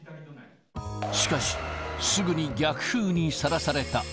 しかし、すぐに逆風にさらされた。